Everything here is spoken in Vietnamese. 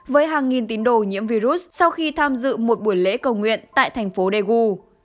với hàng nghìn tín đồ nhiễm virus sau khi tham dự một buổi lễ cầu nguyện tại thành phố daegu